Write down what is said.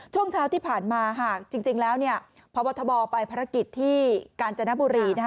ช่วงเช้าที่ผ่านมาหากจริงแล้วพบทบไปภารกิจที่กาญจนบุรี